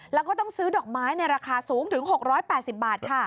แล้วก็ต้องซื้อดอกไม้ในราคาสูงถึง๖๘๐บาทค่ะ